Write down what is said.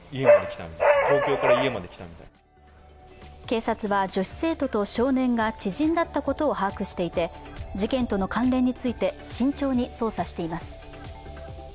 警察は、女子生徒と少年が知人だったことを把握していて、事件との関連について慎重に捜査しています。